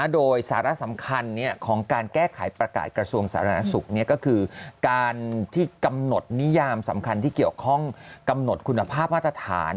โดยสาระสำคัญของการแก้ไขประกาศกระทรวงสาธารณสุขก็คือการที่กำหนดนิยามสำคัญที่เกี่ยวข้องกำหนดคุณภาพมาตรฐาน